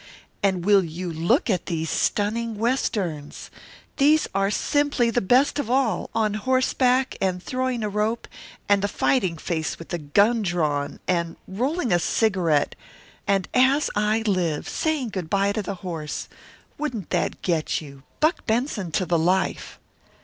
And will you look at these stunning Westerns! These are simply the best of all on horseback, and throwing a rope, and the fighting face with the gun drawn, and rolling a cigarette and, as I live, saying good by to the horse. Wouldn't that get you Buck Benson to the life!"